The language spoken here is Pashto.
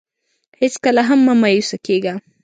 هېڅکله هم مه مایوسه کېږه.